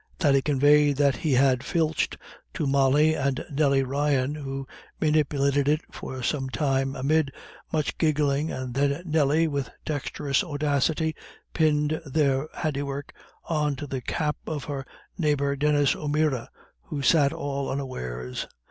Thady conveyed what he had filched to Molly and Nelly Ryan, who manipulated it for some time amid much giggling; and then Nelly, with dexterous audacity pinned their handiwork on to the cap of her neighbour Denis O'Meara, who sat all unawares.